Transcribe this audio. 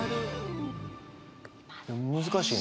難しいな。